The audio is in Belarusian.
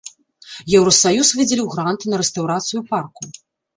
Еўрасаюз выдзеліў грант на рэстаўрацыю парку.